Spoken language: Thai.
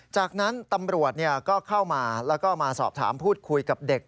จากนั้นตำรวจก็เข้ามาแล้วก็มาสอบถามพูดคุยกับเด็ก